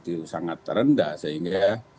itu sangat rendah sehingga